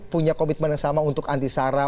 punya komitmen yang sama untuk anti sara